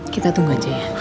kita tunggu aja ya